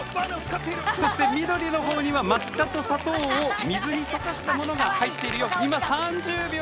そして緑は抹茶と砂糖を水に溶かしたものが入っているよ。